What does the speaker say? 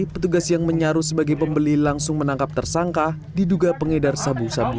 petugas yang menyaruh sebagai pembeli langsung menangkap tersangka diduga pengedar sabu sabu